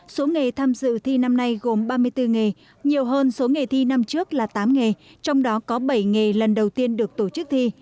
số nghề tham dự thi năm nay gồm ba mươi bốn nghề nhiều hơn số nghề thi năm trước là tám nghề trong đó có bảy nghề lần đầu tiên được tổ chức thi